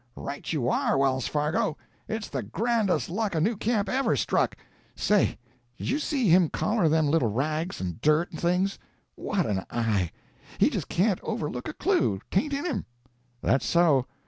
"Right you are, Wells Fargo! It's the grandest luck a new camp ever struck. Say, did you see him collar them little rags and dirt and things? What an eye! He just can't overlook a clue 'tain't in him." "That's so.